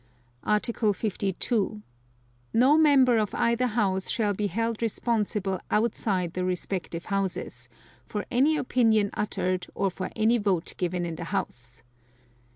Article 52. No Member of either House shall be held responsible outside the respective Houses, for any opinion uttered or for any vote given in the House.